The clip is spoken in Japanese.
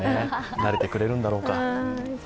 慣れてくれるんだろうか。